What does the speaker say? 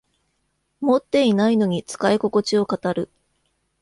持ってないのに使いここちを語る